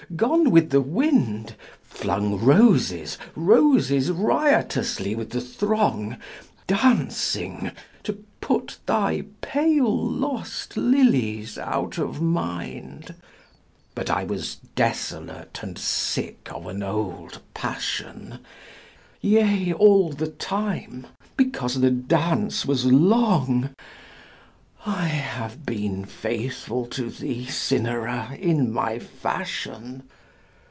gone with the wind, Flung roses, roses riotously with the throng, Dancing, to put thy pale, lost lilies out of mind; But I was desolate and sick of an old passion, Yea, all the time, because the dance was long: I have been faithful to thee, Cynara! in my fashion.